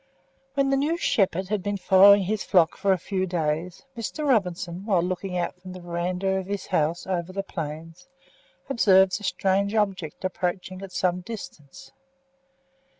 When the new shepherd had been following his flock for a few days, Mr. Robinson, while looking out from the verandah of his house over the plains, observed a strange object approaching at some distance.